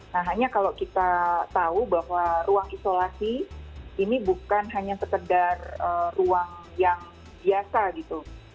nah hanya kalau kita tahu bahwa ruang isolasi ini bukan hanya sekedar ruang yang biasa gitu